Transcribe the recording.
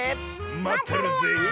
まってるぜえ。